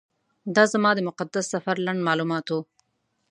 دا زما د مقدس سفر لنډ معلومات و.